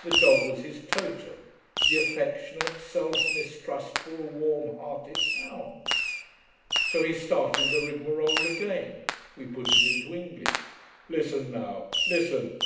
The dog was his totem the affectionate, self mistrustful, warm hearted hound. So he started the rigmarole again. We put it into English. "Listen now. Listen!